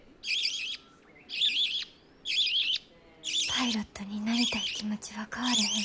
パイロットになりたい気持ちは変われへん。